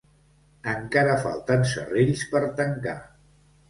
Encara falten ‘serrells’ per tancar.